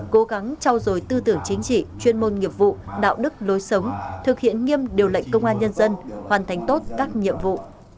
cố gắng trao dồi tư tưởng chính trị chuyên môn nghiệp vụ đạo đức lối sống thực hiện nghiêm điều lệnh công an nhân dân hoàn thành tốt các nhiệm vụ